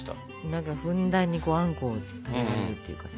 何かふんだんにあんこを食べられるっていうかさ。